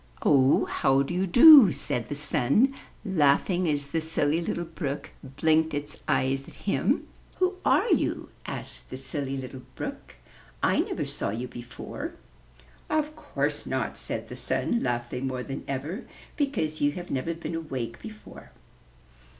''Oh, how do you do?'' said the Sun, laughing as the Silly Little Brook blinked its eyes at him. ''Who are you?" asked the Silly Little Brook. "I never saw you before." "Of course not," said the Sun, laughing more than ever, "because you have never been awake before.